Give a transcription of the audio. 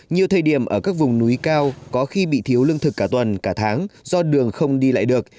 nhiều thời điểm ở các vùng núi cao có khi bị thiếu lương thực cả tuần cả tháng do đường không đi lại được